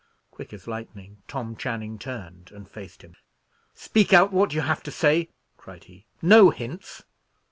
Quick as lightning, Tom Channing turned and faced him. "Speak out what you have to say," cried he; "no hints."